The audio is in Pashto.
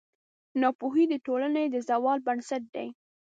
ناپوهي د ټولنې د زوال بنسټ دی.